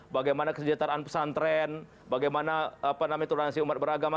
bagaimana kesejahteraan pesantren bagaimana penamituransi umat beragama